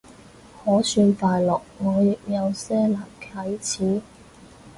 可算快樂，我亦有些難啟齒